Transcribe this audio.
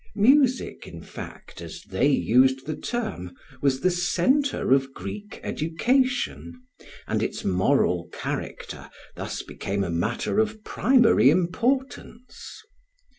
"Music," in fact, as they used the term, was the centre of Greek education, and its moral character thus became a matter of primary importance.